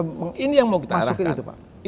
masukin itu pak ini yang mau kita arahkan